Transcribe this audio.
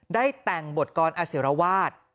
ได้แต่งบทกรอศิรวาส